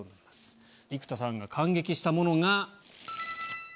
生田さんが感激したものが。